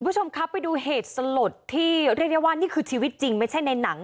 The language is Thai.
คุณผู้ชมครับไปดูเหตุสลดที่เรียกได้ว่านี่คือชีวิตจริงไม่ใช่ในหนัง